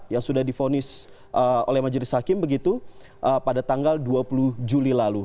yang sudah difonis oleh majelis hakim begitu pada tanggal dua puluh juli lalu